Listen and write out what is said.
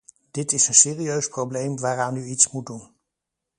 Dit is een serieus probleem waaraan u iets moet doen.